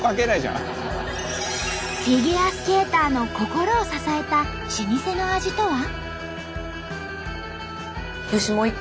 フィギュアスケーターの心を支えた老舗の味とは？